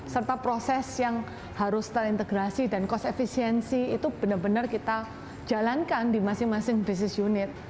serta proses yang harus terintegrasi dan cost efisiensi itu benar benar kita jalankan di masing masing bisnis unit